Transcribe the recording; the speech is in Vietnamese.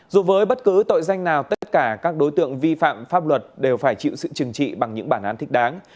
dù với bất cứ tội danh nào tất cả các đối tượng vi phạm pháp luật đều phải chịu sự trừng trị bằng những bản án thích đáng